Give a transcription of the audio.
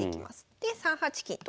で３八金と。